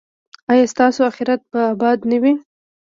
ایا ستاسو اخرت به اباد نه وي؟